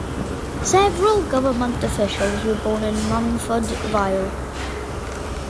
Several government officials were born in Munfordville.